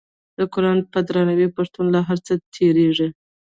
د قران په درناوي پښتون له هر څه تیریږي.